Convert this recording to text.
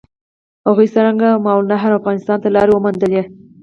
هغوی څرنګه ماورالنهر او افغانستان ته لارې وموندلې؟